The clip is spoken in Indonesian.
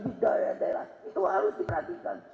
berbeda itu harus diperhatikan